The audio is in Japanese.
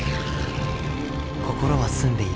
「心は澄んでいる。